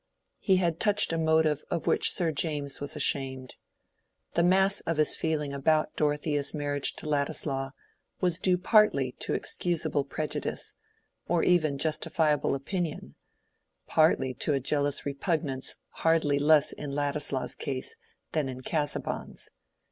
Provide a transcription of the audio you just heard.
He had touched a motive of which Sir James was ashamed. The mass of his feeling about Dorothea's marriage to Ladislaw was due partly to excusable prejudice, or even justifiable opinion, partly to a jealous repugnance hardly less in Ladislaw's case than in Casaubon's.